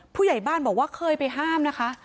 ผู้ใหญ่บ้านบอกว่าเคยไปห้ามนะคะ